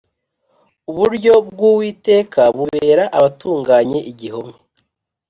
uburyo bw’uwiteka bubera abatunganye igihome,